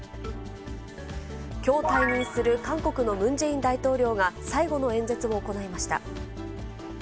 きょう退任する韓国のムン・ジェイン大統領が、最後の演説を行いました。